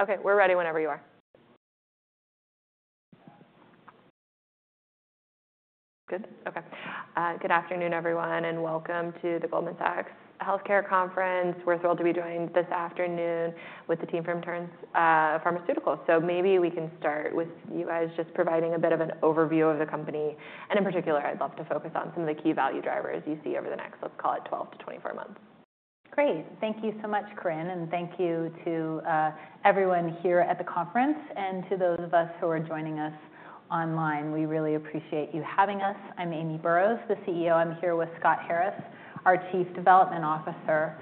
Okay, we're ready whenever you are. Good? Okay. Good afternoon, everyone, and welcome to the Goldman Sachs Healthcare Conference. We're thrilled to be joined this afternoon with the team from Terns Pharmaceuticals. Maybe we can start with you guys just providing a bit of an overview of the company. In particular, I'd love to focus on some of the key value drivers you see over the next, let's call it, 12 months-24 months. Great. Thank you so much, Corinne, and thank you to everyone here at the conference and to those of us who are joining us online. We really appreciate you having us. I'm Amy Burroughs, the CEO. I'm here with Scott Harris, our Chief Development Officer.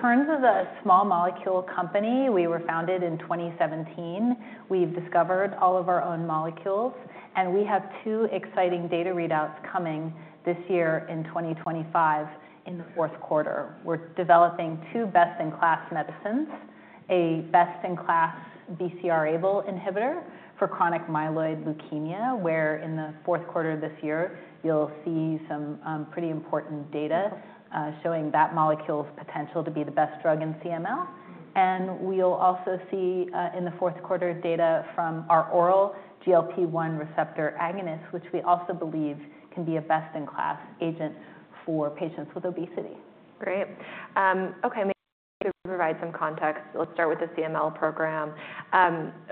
Terns is a small molecule company. We were founded in 2017. We've discovered all of our own molecules, and we have two exciting data readouts coming this year in 2025 in the fourth quarter. We're developing two best-in-class medicines, a best-in-class BCR-ABL inhibitor for chronic myeloid leukemia, where in the fourth quarter of this year, you'll see some pretty important data showing that molecule's potential to be the best drug in CML. We'll also see in the fourth quarter data from our oral GLP-1 receptor agonist, which we also believe can be a best-in-class agent for patients with obesity. Great. Okay, maybe you could provide some context. Let's start with the CML program.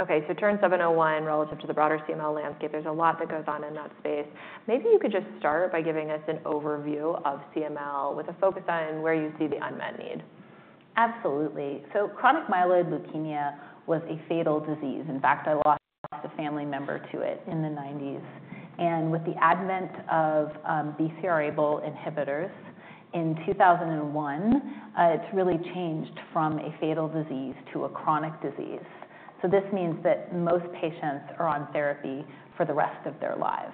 Okay, so Terns 701, relative to the broader CML landscape, there's a lot that goes on in that space. Maybe you could just start by giving us an overview of CML with a focus on where you see the unmet need. Absolutely. Chronic myeloid leukemia was a fatal disease. In fact, I lost a family member to it in the 1990s. With the advent of BCR-ABL inhibitors in 2001, it has really changed from a fatal disease to a chronic disease. This means that most patients are on therapy for the rest of their lives.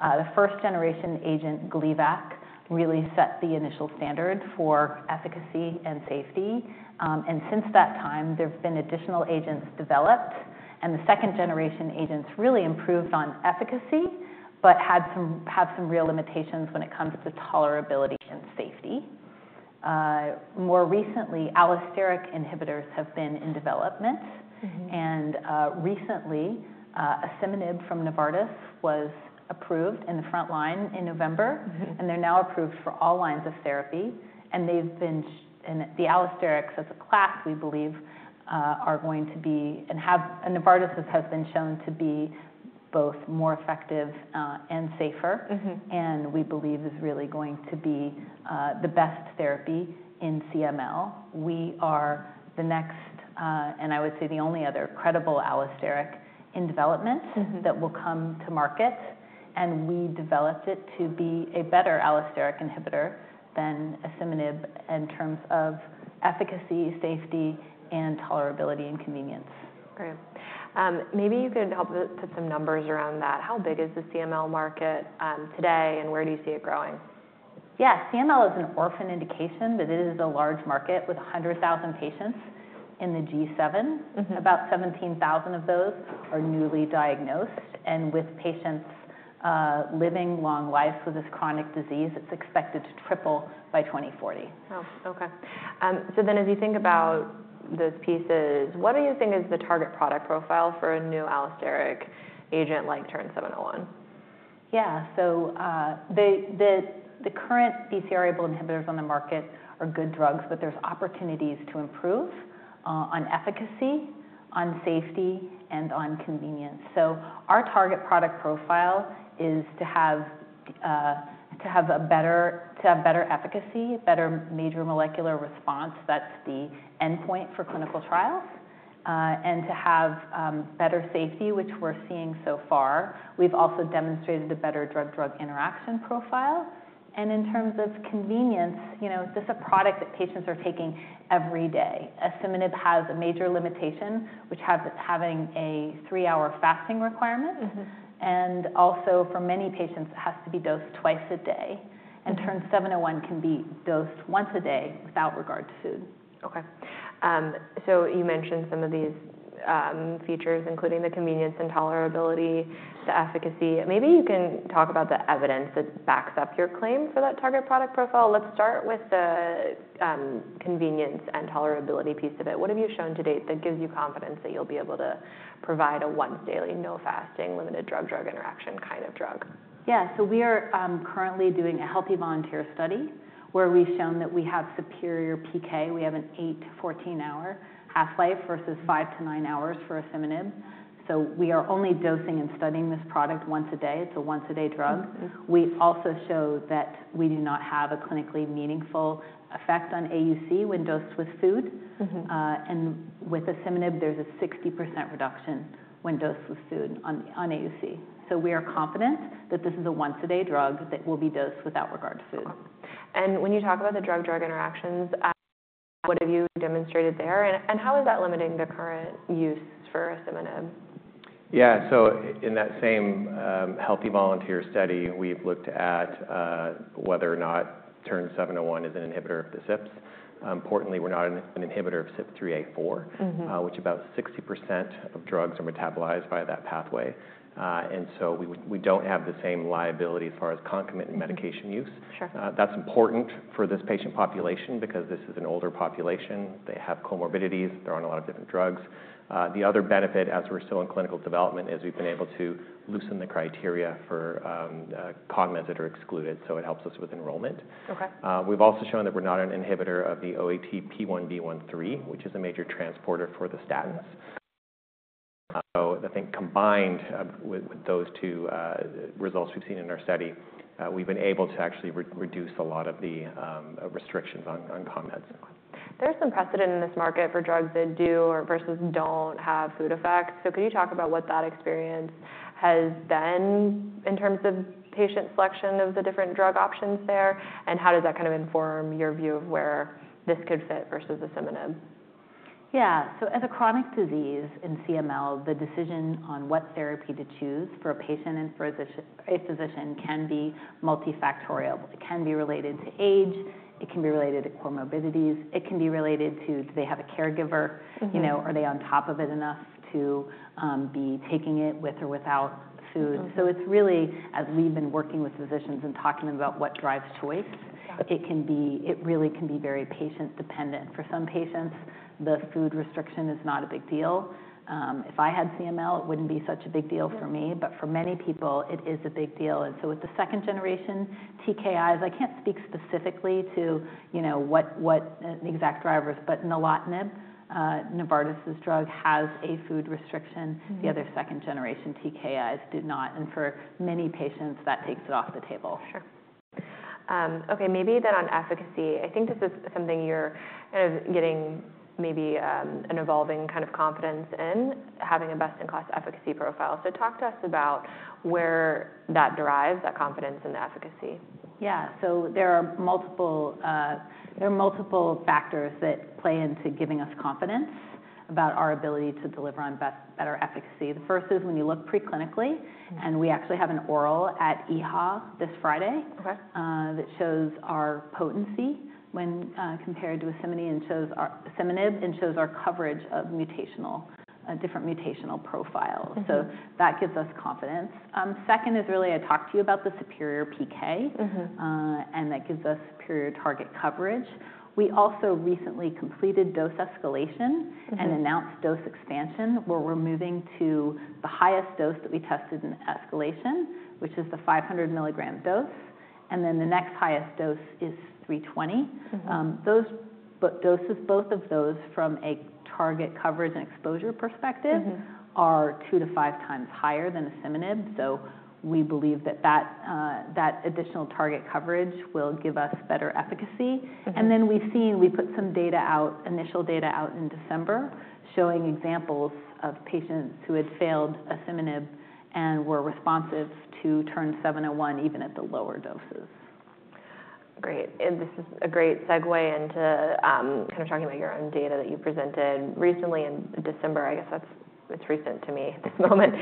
The first-generation agent, Gleevec, really set the initial standard for efficacy and safety. Since that time, there have been additional agents developed, and the second-generation agents really improved on efficacy but have some real limitations when it comes to tolerability and safety. More recently, allosteric inhibitors have been in development, and recently, asciminib from Novartis was approved in the front-line in November, and they are now approved for all lines of therapy. The allosterics, as a class, we believe, are going to be and have, Novartis has been shown to be, both more effective and safer, and we believe is really going to be the best therapy in CML. We are the next, and I would say the only other credible allosteric in development that will come to market, and we developed it to be a better allosteric inhibitor than asciminib in terms of efficacy, safety, and tolerability and convenience. Great. Maybe you could help put some numbers around that. How big is the CML market today, and where do you see it growing? Yeah, CML is an orphan indication, but it is a large market with 100,000 patients in the G7. About 17,000 of those are newly diagnosed, and with patients living long lives with this chronic disease, it's expected to triple by 2040. Oh, okay. As you think about those pieces, what do you think is the target product profile for a new allosteric agent like Terns 701? Yeah, so the current BCR-ABL inhibitors on the market are good drugs, but there's opportunities to improve on efficacy, on safety, and on convenience. Our target product profile is to have a better efficacy, better major molecular response. That's the endpoint for clinical trials, and to have better safety, which we're seeing so far. We've also demonstrated a better drug-drug interaction profile. In terms of convenience, this is a product that patients are taking every day. Asciminib has a major limitation, which is having a three-hour fasting requirement, and also for many patients, it has to be dosed twice a day. Terns 701 can be dosed once a day without regard to food. Okay. You mentioned some of these features, including the convenience and tolerability, the efficacy. Maybe you can talk about the evidence that backs up your claim for that target product profile. Let's start with the convenience and tolerability piece of it. What have you shown to date that gives you confidence that you'll be able to provide a once-daily, no fasting, limited drug-drug interaction kind of drug? Yeah, so we are currently doing a healthy volunteer study where we've shown that we have superior PK. We have an 8 hr-14 hr half-life versus 5 hr-9 hr for asciminib. So we are only dosing and studying this product once a day. It's a once-a-day drug. We also show that we do not have a clinically meaningful effect on AUC when dosed with food. With asciminib, there's a 60% reduction when dosed with food on AUC. We are confident that this is a once-a-day drug that will be dosed without regard to food. When you talk about the drug-drug interactions, what have you demonstrated there? How is that limiting the current use for asciminib? Yeah, so in that same healthy volunteer study, we've looked at whether or not Terns 701 is an inhibitor of the CYPs. Importantly, we're not an inhibitor of CYP3A4, which about 60% of drugs are metabolized via that pathway. We don't have the same liability as far as concomitant medication use. That's important for this patient population because this is an older population. They have comorbidities. They're on a lot of different drugs. The other benefit, as we're still in clinical development, is we've been able to loosen the criteria for cognizant or excluded, so it helps us with enrollment. We've also shown that we're not an inhibitor of OATP1B1, which is a major transporter for the statins. I think combined with those two results we've seen in our study, we've been able to actually reduce a lot of the restrictions on cognizant. There's some precedent in this market for drugs that do versus don't have food effects. Could you talk about what that experience has been in terms of patient selection of the different drug options there? How does that kind of inform your view of where this could fit versus asciminib? Yeah, so as a chronic disease in CML, the decision on what therapy to choose for a patient and for a physician can be multifactorial. It can be related to age. It can be related to comorbidities. It can be related to, do they have a caregiver? Are they on top of it enough to be taking it with or without food? It is really, as we've been working with physicians and talking about what drives choice, it really can be very patient-dependent. For some patients, the food restriction is not a big deal. If I had CML, it wouldn't be such a big deal for me, but for many people, it is a big deal. With the second-generation TKIs, I can't speak specifically to what the exact drivers are, but nilotinib, Novartis' drug, has a food restriction. The other second-generation TKIs do not. For many patients, that takes it off the table. Sure. Okay, maybe then on efficacy, I think this is something you're kind of getting maybe an evolving kind of confidence in, having a best-in-class efficacy profile. Talk to us about where that derives that confidence in the efficacy. Yeah, so there are multiple factors that play into giving us confidence about our ability to deliver on better efficacy. The first is when you look preclinically, and we actually have an oral at EHA this Friday that shows our potency when compared to asciminib and shows our coverage of different mutational profiles. That gives us confidence. Second is really I talked to you about the superior PK, and that gives us superior target coverage. We also recently completed dose escalation and announced dose expansion where we are moving to the highest dose that we tested in escalation, which is the 500 mg dose. The next highest dose is 320 mg. Those doses, both of those from a target coverage and exposure perspective, are two to five times higher than asciminib. We believe that that additional target coverage will give us better efficacy. We put some initial data out in December showing examples of patients who had failed asciminib and were responsive to Terns 701 even at the lower doses. Great. This is a great segue into kind of talking about your own data that you presented recently in December. I guess that's recent to me at this moment.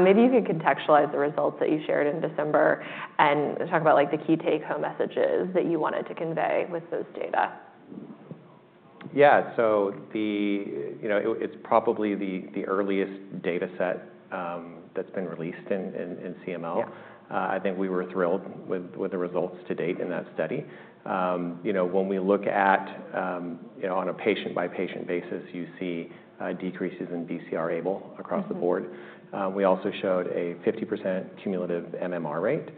Maybe you could contextualize the results that you shared in December and talk about the key take-home messages that you wanted to convey with those data. Yeah, so it's probably the earliest dataset that's been released in CML. I think we were thrilled with the results to date in that study. When we look at, on a patient-by-patient basis, you see decreases in BCR-ABL across the board. We also showed a 50% cumulative MMR rate.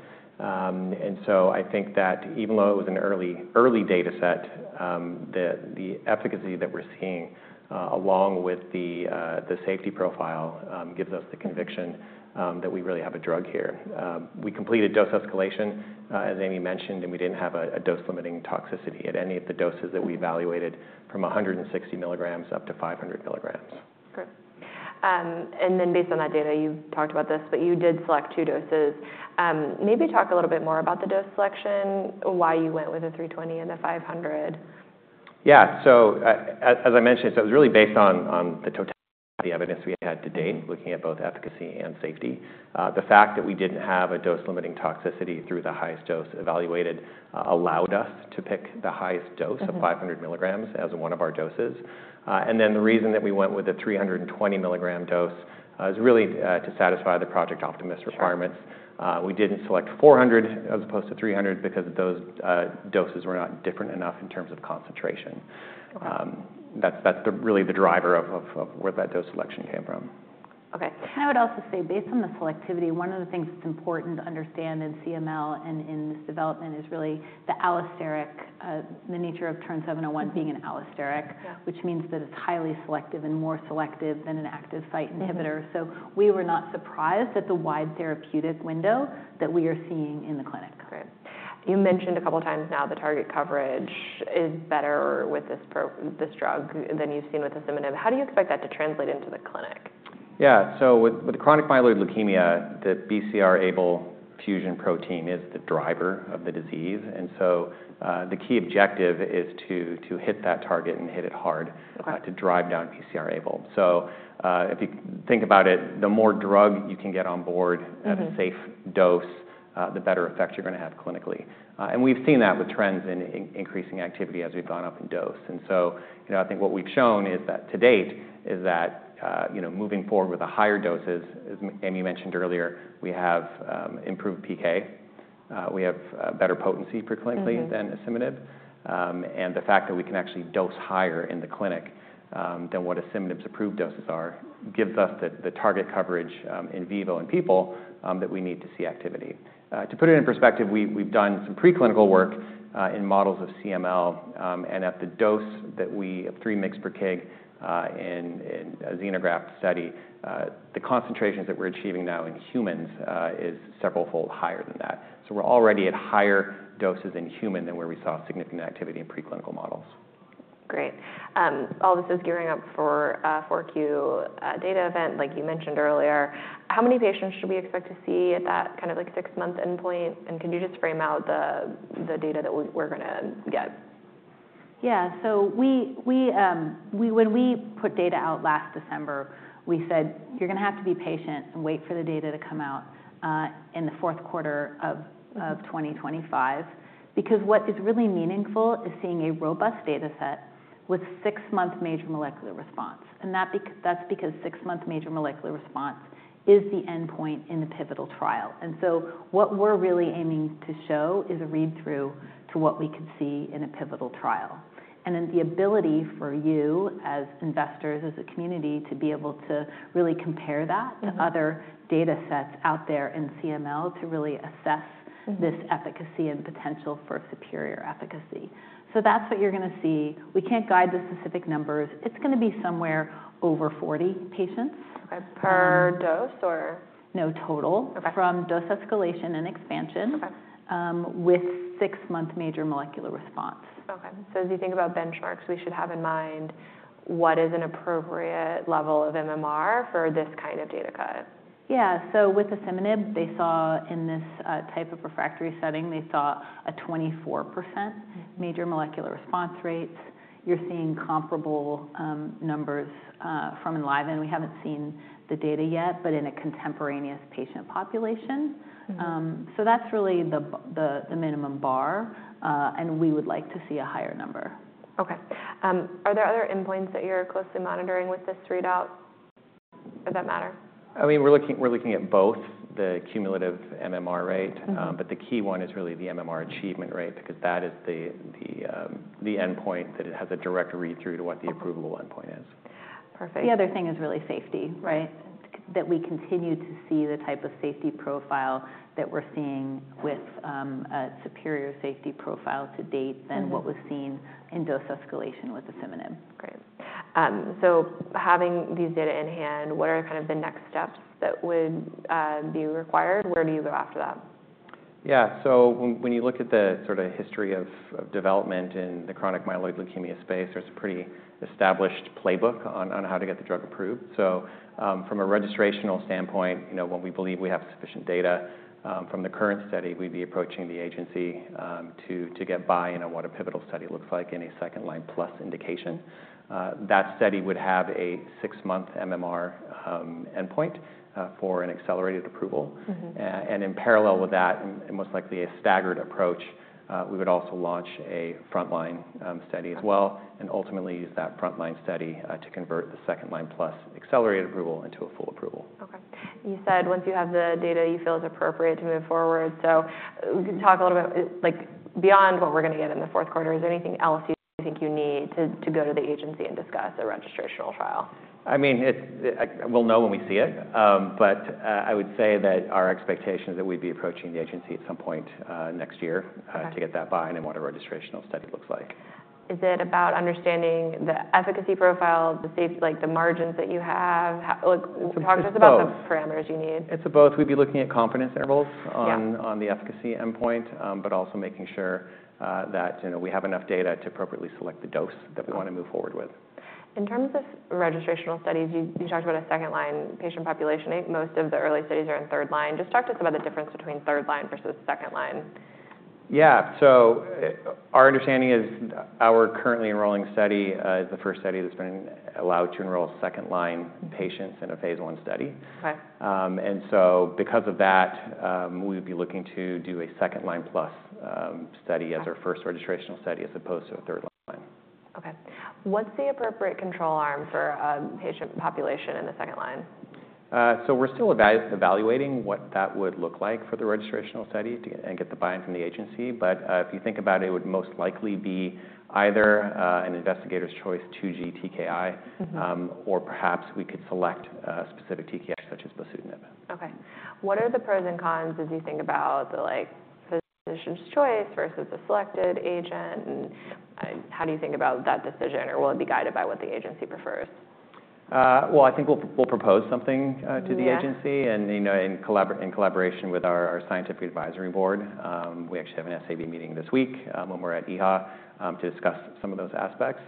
I think that even though it was an early dataset, the efficacy that we're seeing along with the safety profile gives us the conviction that we really have a drug here. We completed dose escalation, as Amy mentioned, and we didn't have a dose-limiting toxicity at any of the doses that we evaluated from 160 mg up to 500 mg. Great. Based on that data, you talked about this, but you did select two doses. Maybe talk a little bit more about the dose selection, why you went with a 320 mg and a 500 mg. Yeah, as I mentioned, it was really based on the totality of evidence we had to date, looking at both efficacy and safety. The fact that we did not have a dose-limiting toxicity through the highest dose evaluated allowed us to pick the highest dose of 500 mg as one of our doses. The reason that we went with a 320 mg dose is really to satisfy the Project Optimus requirements. We did not select 400 mg as opposed to 300 mg because those doses were not different enough in terms of concentration. That is really the driver of where that dose selection came from. Okay. I would also say based on the selectivity, one of the things that's important to understand in CML and in this development is really the allosteric, the nature of Terns 701 being an allosteric, which means that it's highly selective and more selective than an active site inhibitor. We were not surprised at the wide therapeutic window that we are seeing in the clinic. Great. You mentioned a couple of times now the target coverage is better with this drug than you've seen with asciminib. How do you expect that to translate into the clinic? Yeah, so with chronic myeloid leukemia, the BCR-ABL fusion protein is the driver of the disease. The key objective is to hit that target and hit it hard to drive down BCR-ABL. If you think about it, the more drug you can get on board at a safe dose, the better effect you're going to have clinically. We've seen that with trends in increasing activity as we've gone up in dose. I think what we've shown to date is that moving forward with the higher doses, as Amy mentioned earlier, we have improved PK. We have better potency preclinically than asciminib. The fact that we can actually dose higher in the clinic than what asciminib's approved doses are gives us the target coverage in vivo in people that we need to see activity. To put it in perspective, we've done some preclinical work in models of CML, and at the dose that we have 3 mg per kg in a xenograft study, the concentrations that we're achieving now in humans is several fold higher than that. So we're already at higher doses in human than where we saw significant activity in preclinical models. Great. All this is gearing up for Q data event, like you mentioned earlier. How many patients should we expect to see at that kind of six-month endpoint? Could you just frame out the data that we're going to get? Yeah, so when we put data out last December, we said, "You're going to have to be patient and wait for the data to come out in the fourth quarter of 2025," because what is really meaningful is seeing a robust dataset with six-month major molecular response. That is because six-month major molecular response is the endpoint in the pivotal trial. What we are really aiming to show is a read-through to what we could see in a pivotal trial. The ability for you as investors, as a community, to be able to really compare that to other datasets out there in CML to really assess this efficacy and potential for superior efficacy. That is what you are going to see. We cannot guide the specific numbers. It is going to be somewhere over 40 patients. Okay, per dose or? No, total from dose escalation and expansion with six-month major molecular response. Okay. So as you think about benchmarks, we should have in mind what is an appropriate level of MMR for this kind of data cut. Yeah, so with asciminib, they saw in this type of refractory setting, they saw a 24% major molecular response rate. You're seeing comparable numbers from nilotinib. We haven't seen the data yet, but in a contemporaneous patient population. That's really the minimum bar, and we would like to see a higher number. Okay. Are there other endpoints that you're closely monitoring with this readout? Does that matter? I mean, we're looking at both the cumulative MMR rate, but the key one is really the MMR achievement rate because that is the endpoint that it has a direct read-through to what the approval endpoint is. Perfect. The other thing is really safety, right? That we continue to see the type of safety profile that we're seeing with a superior safety profile to date than what was seen in dose escalation with asciminib. Great. So having these data in hand, what are kind of the next steps that would be required? Where do you go after that? Yeah, so when you look at the sort of history of development in the chronic myeloid leukemia space, there's a pretty established playbook on how to get the drug approved. From a registrational standpoint, when we believe we have sufficient data from the current study, we'd be approaching the agency to get buy-in on what a pivotal study looks like in a second-line plus indication. That study would have a six-month MMR endpoint for an accelerated approval. In parallel with that, most likely a staggered approach, we would also launch a front-line study as well and ultimately use that front-line study to convert the second-line plus accelerated approval into a full approval. Okay. You said once you have the data you feel is appropriate to move forward. Talk a little bit beyond what we're going to get in the fourth quarter. Is there anything else you think you need to go to the agency and discuss a registrational trial? I mean, we'll know when we see it, but I would say that our expectation is that we'd be approaching the agency at some point next year to get that buy-in and what a registrational study looks like. Is it about understanding the efficacy profile, the margins that you have? Talk to us about the parameters you need. It's both. We'd be looking at confidence intervals on the efficacy endpoint, but also making sure that we have enough data to appropriately select the dose that we want to move forward with. In terms of registrational studies, you talked about a second-line patient population. Most of the early studies are in third-line. Just talk to us about the difference between third-line versus second-line. Yeah, so our understanding is our currently enrolling study is the first study that's been allowed to enroll second-line patients in a phase I study. Because of that, we would be looking to do a second-line plus study as our first registrational study as opposed to a third-line. Okay. What's the appropriate control arm for a patient population in the second-line? We're still evaluating what that would look like for the registrational study and get the buy-in from the agency. If you think about it, it would most likely be either an investigator's choice to GTKI or perhaps we could select a specific TKI such as bosutinib. Okay. What are the pros and cons as you think about the physician's choice versus a selected agent? How do you think about that decision? Will it be guided by what the agency prefers? I think we'll propose something to the agency. In collaboration with our scientific advisory board, we actually have an SAB meeting this week when we're at EHA to discuss some of those aspects.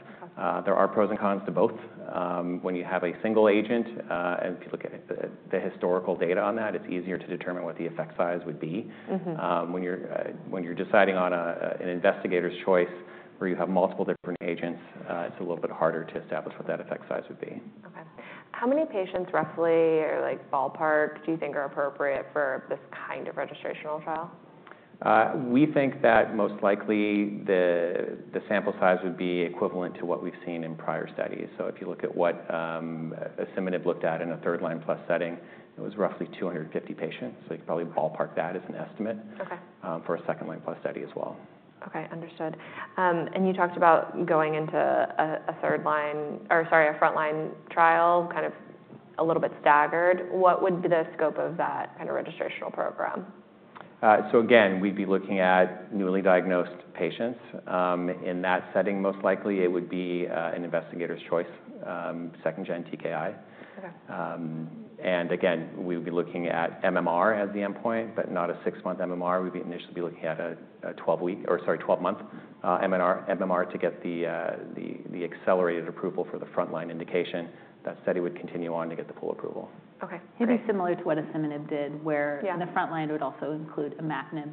There are pros and cons to both. When you have a single agent and if you look at the historical data on that, it's easier to determine what the effect size would be. When you're deciding on an investigator's choice where you have multiple different agents, it's a little bit harder to establish what that effect size would be. Okay. How many patients roughly or ballpark do you think are appropriate for this kind of registrational trial? We think that most likely the sample size would be equivalent to what we've seen in prior studies. If you look at what asciminib looked at in a third-line plus setting, it was roughly 250 patients. You could probably ballpark that as an estimate for a second-line plus study as well. Okay, understood. You talked about going into a third-line or sorry, a front-line trial kind of a little bit staggered. What would be the scope of that kind of registrational program? Again, we'd be looking at newly diagnosed patients. In that setting, most likely it would be an investigator's choice, second-gen TKI. Again, we would be looking at MMR as the endpoint, but not a six-month MMR. We'd initially be looking at a 12-week or sorry, 12-month MMR to get the accelerated approval for the front-line indication. That study would continue on to get the full approval. Okay. It'd be similar to what asciminib did where in the front-line it would also include imatinib.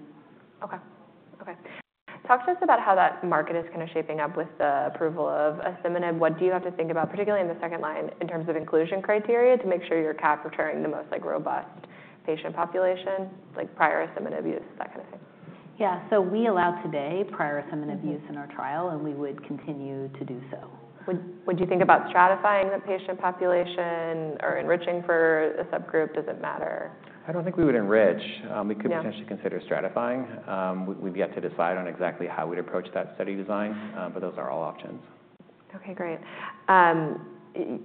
Okay. Okay. Talk to us about how that market is kind of shaping up with the approval of asciminib. What do you have to think about, particularly in the second-line, in terms of inclusion criteria to make sure you're capturing the most robust patient population, like prior asciminib use, that kind of thing? Yeah, so we allow today prior asciminib use in our trial, and we would continue to do so. Would you think about stratifying the patient population or enriching for a subgroup? Does it matter? I don't think we would enrich. We could potentially consider stratifying. We've yet to decide on exactly how we'd approach that study design, but those are all options. Okay, great.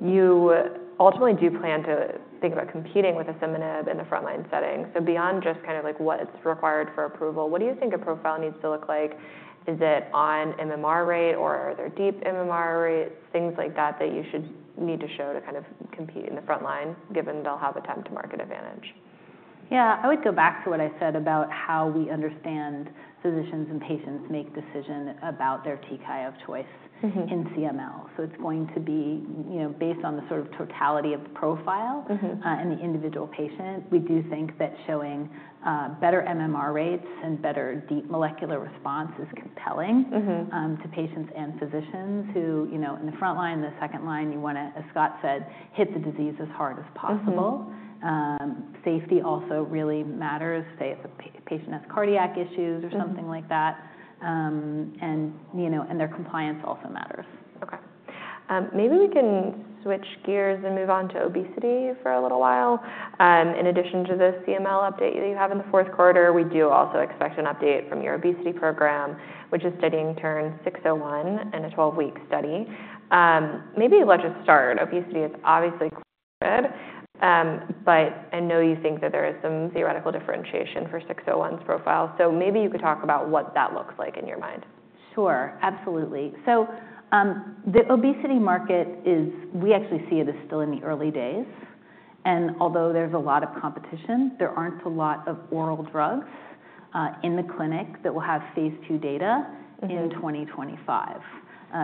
You ultimately do plan to think about competing with asciminib in the front-line setting. So beyond just kind of what's required for approval, what do you think a profile needs to look like? Is it on MMR rate or are there deep MMR rates, things like that that you should need to show to kind of compete in the front-line given they'll have a time to market advantage? Yeah, I would go back to what I said about how we understand physicians and patients make decisions about their TKI of choice in CML. It is going to be based on the sort of totality of the profile and the individual patient. We do think that showing better MMR rates and better deep molecular response is compelling to patients and physicians who in the front-line, the second-line, you want to, as Scott said, hit the disease as hard as possible. Safety also really matters, say if a patient has cardiac issues or something like that. Their compliance also matters. Okay. Maybe we can switch gears and move on to obesity for a little while. In addition to the CML update that you have in the fourth quarter, we do also expect an update from your obesity program, which is studying Terns 601 in a 12-week study. Maybe let's just start. Obesity is obviously good, but I know you think that there is some theoretical differentiation for 601's profile. So maybe you could talk about what that looks like in your mind. Sure, absolutely. The obesity market is, we actually see it as still in the early days. Although there's a lot of competition, there aren't a lot of oral drugs in the clinic that will have phase II data in 2025.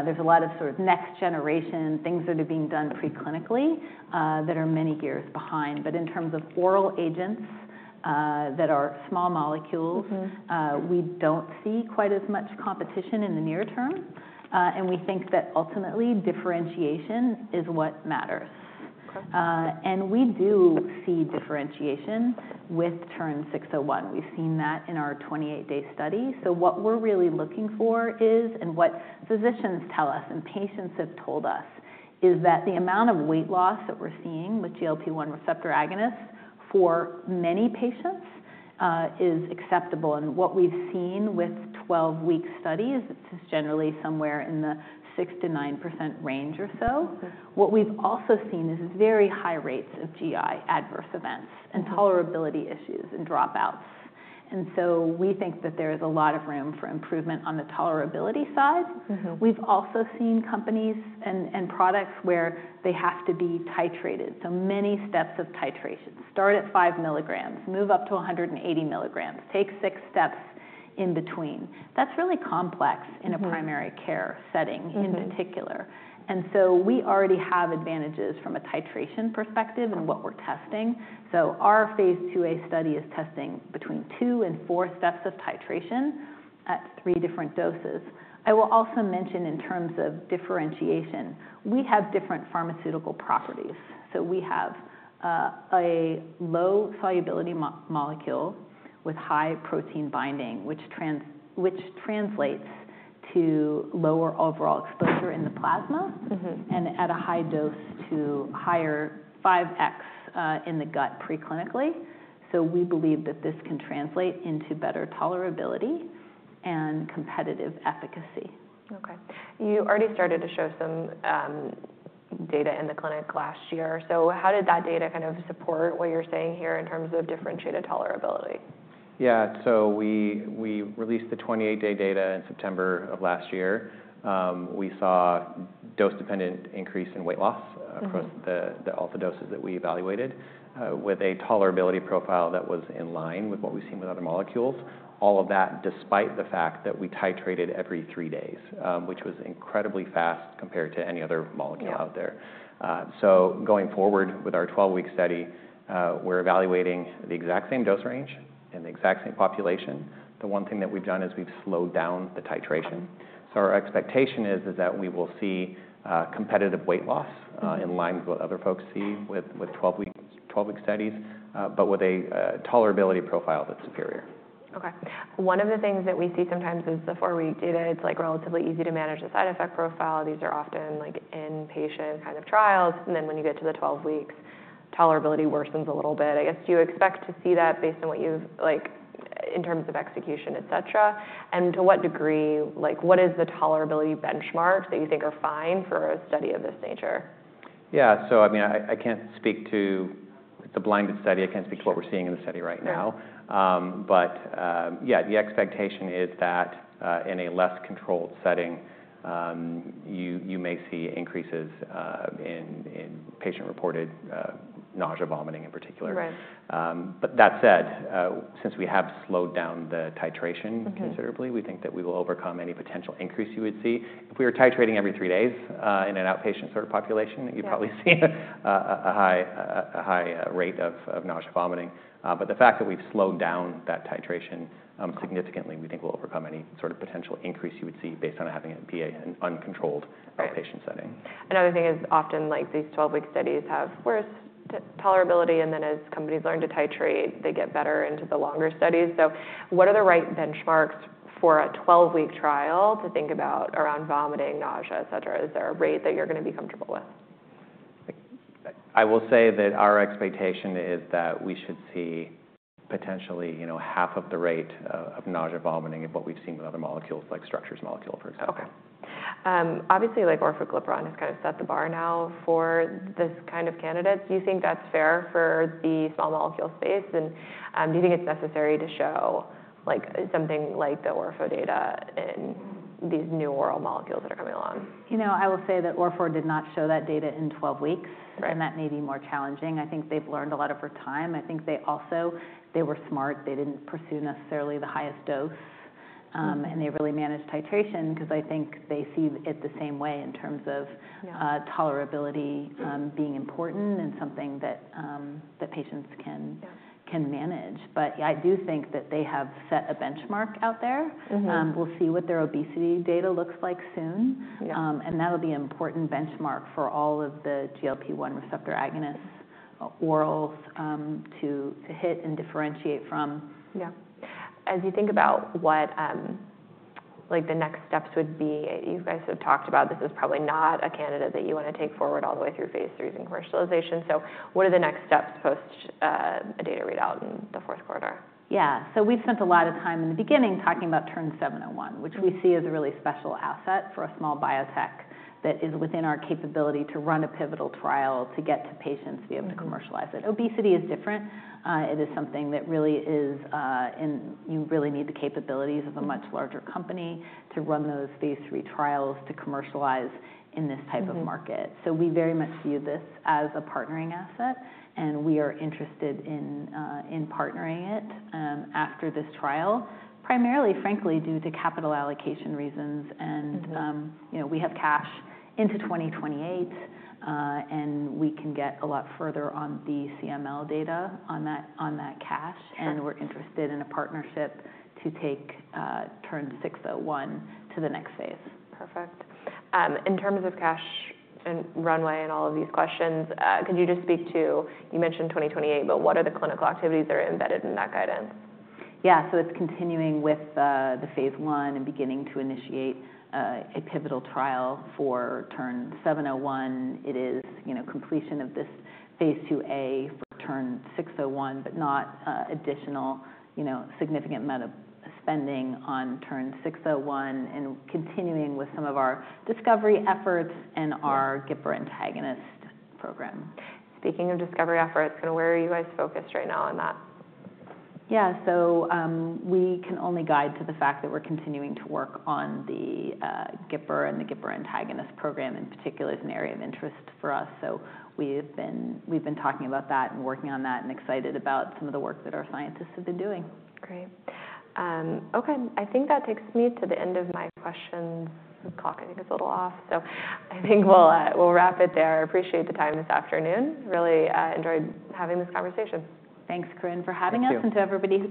There's a lot of sort of next-generation things that are being done preclinically that are many years behind. In terms of oral agents that are small molecules, we don't see quite as much competition in the near term. We think that ultimately differentiation is what matters. We do see differentiation with Terns 601. We've seen that in our 28-day study. What we're really looking for is, and what physicians tell us and patients have told us, is that the amount of weight loss that we're seeing with GLP-1 receptor agonists for many patients is acceptable. What we've seen with 12-week studies is generally somewhere in the 6%-9% range or so. What we've also seen is very high rates of GI adverse events and tolerability issues and dropouts. We think that there is a lot of room for improvement on the tolerability side. We've also seen companies and products where they have to be titrated. So many steps of titration. Start at 5 mg, move up to 180 mg, take six steps in between. That's really complex in a primary care setting in particular. We already have advantages from a titration perspective in what we're testing. Our phase II-A study is testing between two and four steps of titration at three different doses. I will also mention in terms of differentiation, we have different pharmaceutical properties. We have a low solubility molecule with high protein binding, which translates to lower overall exposure in the plasma and at a high dose to higher 5x in the gut preclinically. We believe that this can translate into better tolerability and competitive efficacy. Okay. You already started to show some data in the clinic last year. How did that data kind of support what you're saying here in terms of differentiated tolerability? Yeah, so we released the 28-day data in September of last year. We saw dose-dependent increase in weight loss across all the doses that we evaluated with a tolerability profile that was in line with what we've seen with other molecules. All of that despite the fact that we titrated every three days, which was incredibly fast compared to any other molecule out there. Going forward with our 12-week study, we're evaluating the exact same dose range and the exact same population. The one thing that we've done is we've slowed down the titration. Our expectation is that we will see competitive weight loss in line with what other folks see with 12-week studies, but with a tolerability profile that's superior. Okay. One of the things that we see sometimes is the four-week data. It's relatively easy to manage the side effect profile. These are often in-patient kind of trials. When you get to the 12 weeks, tolerability worsens a little bit. I guess, do you expect to see that based on what you've in terms of execution, etc.? To what degree, what is the tolerability benchmark that you think are fine for a study of this nature? Yeah, so I mean, I can't speak to it's a blinded study. I can't speak to what we're seeing in the study right now. Yeah, the expectation is that in a less controlled setting, you may see increases in patient-reported nausea and vomiting in particular. That said, since we have slowed down the titration considerably, we think that we will overcome any potential increase you would see. If we were titrating every three days in an outpatient sort of population, you'd probably see a high rate of nausea and vomiting. The fact that we've slowed down that titration significantly, we think we'll overcome any sort of potential increase you would see based on having an uncontrolled outpatient setting. Another thing is often these 12-week studies have worse tolerability. Then as companies learn to titrate, they get better into the longer studies. What are the right benchmarks for a 12-week trial to think about around vomiting, nausea, etc.? Is there a rate that you're going to be comfortable with? I will say that our expectation is that we should see potentially half of the rate of nausea and vomiting of what we've seen with other molecules, like Terns 601, for example. Okay. Obviously, orforglipron has kind of set the bar now for this kind of candidate. Do you think that's fair for the small molecule space? And do you think it's necessary to show something like the orforglipron data in these new oral molecules that are coming along? You know, I will say that orphor did not show that data in 12 weeks, and that may be more challenging. I think they've learned a lot over time. I think they also were smart. They didn't pursue necessarily the highest dose, and they really managed titration because I think they see it the same way in terms of tolerability being important and something that patients can manage. I do think that they have set a benchmark out there. We'll see what their obesity data looks like soon. That'll be an important benchmark for all of the GLP-1 receptor agonist orals to hit and differentiate from. Yeah.As you think about what the next steps would be, you guys have talked about this is probably not a candidate that you want to take forward all the way through phase III and commercialization. What are the next steps post a data readout in the fourth quarter? Yeah. So we've spent a lot of time in the beginning talking about Terns 701, which we see as a really special asset for a small biotech that is within our capability to run a pivotal trial to get to patients to be able to commercialize it. Obesity is different. It is something that really is you really need the capabilities of a much larger company to run those phase III trials to commercialize in this type of market. We very much view this as a partnering asset, and we are interested in partnering it after this trial, primarily, frankly, due to capital allocation reasons. We have cash into 2028, and we can get a lot further on the CML data on that cash. We are interested in a partnership to take Terns 601 to the next phase. Perfect. In terms of cash and runway and all of these questions, could you just speak to you mentioned 2028, but what are the clinical activities that are embedded in that guidance? Yeah, so it's continuing with the phase I and beginning to initiate a pivotal trial for Terns 701. It is completion of this phase II-A for Terns 601, but not additional significant amount of spending on Terns 601 and continuing with some of our discovery efforts and our GIPR antagonist program. Speaking of discovery efforts, kind of where are you guys focused right now on that? Yeah, so we can only guide to the fact that we're continuing to work on the GIPR and the GIPR antagonist program in particular is an area of interest for us. We've been talking about that and working on that and excited about some of the work that our scientists have been doing. Great. Okay. I think that takes me to the end of my questions. The clock, I think, is a little off. I think we'll wrap it there. I appreciate the time this afternoon. Really enjoyed having this conversation. Thanks, Corinne, for having us and to everybody.